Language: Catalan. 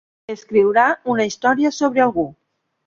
Escriurà una història sobre algú.